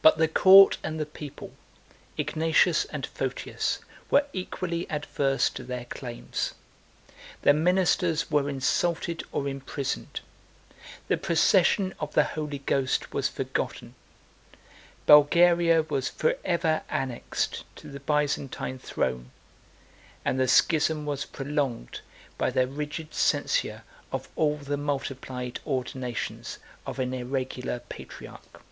But the court and the people, Ignatius and Photius, were equally adverse to their claims; their ministers were insulted or imprisoned; the procession of the Holy Ghost was forgotten; Bulgaria was forever annexed to the Byzantine throne; and the schism was prolonged by their rigid censure of all the multiplied ordinations of an irregular patriarch.